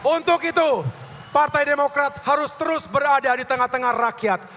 untuk itu partai demokrat harus terus berada di tengah tengah rakyat